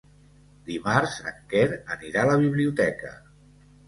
Dimarts en Quer anirà a la biblioteca.